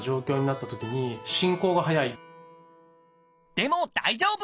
でも大丈夫！